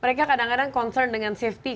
mereka kadang kadang bimbang dengan keamanan